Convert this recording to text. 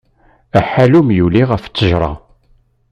Aḥallum yuli ɣef ttejra.